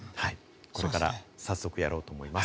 これから早速やろうと思います。